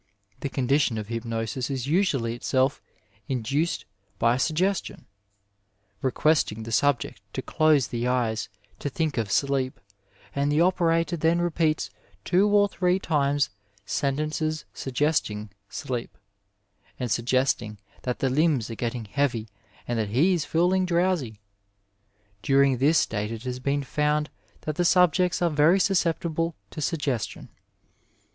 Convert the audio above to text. The condition of hypnosis ^* r I Digitized by VjOOQiC MEDICINE IN THE NINETEENTH CENTURY is usually itself induced by su^estion, requesting the subject to dose the eyes, to think of sleep, and the operator then repeats two or three times sentences suggesting sleep, and suggesting that the limbs are getting heavy and that he is feeling drowsy. During this state it has been found that the subjects are very susceptible to sugges tion.